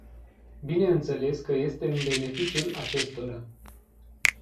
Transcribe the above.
Bineînțeles că este în beneficiul acestora.